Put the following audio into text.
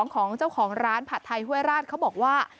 ของเจ้าของร้านผัดไทยห้วยราชเขาบอกว่า